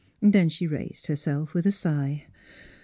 The she raised herself with a sigh.